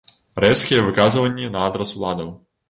Рэзкія выказванні на адрас уладаў.